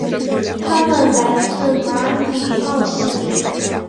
他们来自马里奥系列。